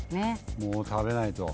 もう食べないと。